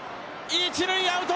一塁アウト。